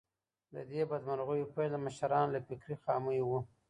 د دې بدمرغيو پیل د مشرانو له فکري خامیو و.